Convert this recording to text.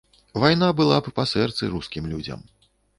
Вайна была б па сэрцы рускім людзям.